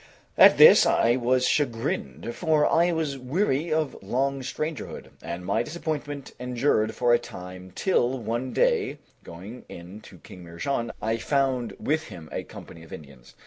At this I was chagrined, for I was weary of long strangerhood; and my disappointment endured for a time till one day, going in to King Mihrján, I found with him a company of Indians.